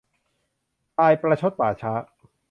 ตายประชดป่าช้า